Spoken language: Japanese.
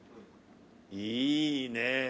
いいねえ。